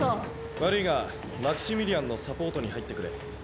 悪いがマクシミリアンのサポートに入ってくれ。